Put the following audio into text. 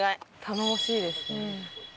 頼もしいですね。